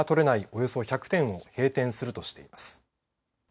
およそ１００店を閉店するとしています。